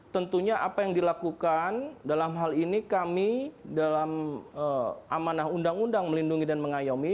tentunya apa yang dilakukan dalam hal ini kami dalam amanah undang undang melindungi dan mengayomi